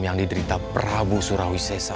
yang diderita prabu surawi sesa